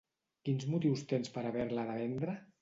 - Quins motius tens pera haver-la de vendre?